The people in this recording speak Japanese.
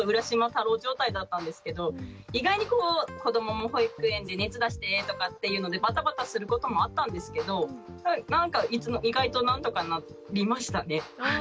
太郎状態だったんですけど意外にこう子どもも保育園で熱出してとかっていうのでバタバタすることもあったんですけどなんか意外と何とかなりましたね。